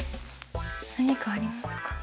何かありますか？